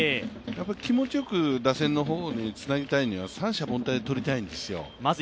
気持ちよく打線の方につなぐためには三者凡退をとりたいんですよ。